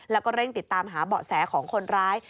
แล้วก็เร่งติดตามหาเบาะแสของคนร้าย